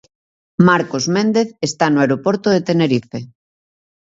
Marcos Méndez está no aeroporto de Tenerife.